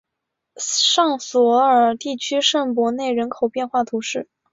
尚索尔地区圣博内人口变化图示